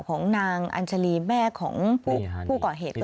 ของนางอัญชาลีแม่ของผู้ก่อเหตุ